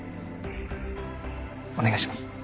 お願いします。